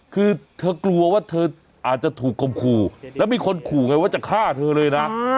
คือเธอกลัวว่าเธออาจจะถูกคมขู่แล้วมีคนขู่ไงว่าจะฆ่าเธอเลยนะ